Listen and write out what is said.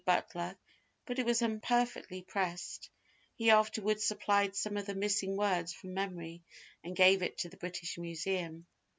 Butler, but it was imperfectly pressed; he afterwards supplied some of the missing words from memory, and gave it to the British Museum.